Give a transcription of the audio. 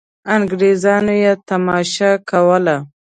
انګرېزانو یې تماشه کوله.